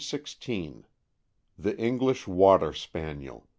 (800) THE ENGLISH WATER SPANIEL.